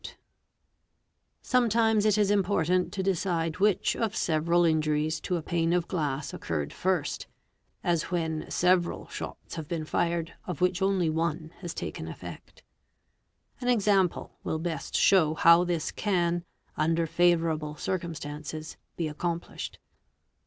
* Sometimes it is important to decide which of several injuries to a pane of glass occurred first, as when several shots have been fired of which only one has taken effect. An example will best show how this ean, under favourable circumstances, be accomplished.